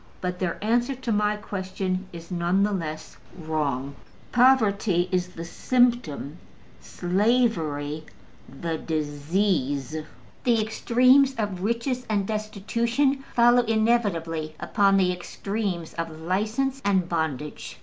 But their answer to my question is none the less wrong. Poverty is the symptom: slavery the disease. The extremes of riches and destitution follow inevitably upon the extremes of license and bondage.